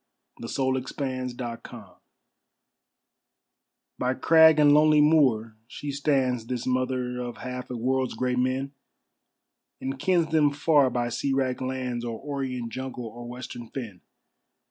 The World Mother (SCOTLAND) By crag and lonely moor she stands, This mother of half a world's great men, And kens them far by sea wracked lands, Or orient jungle or western fen.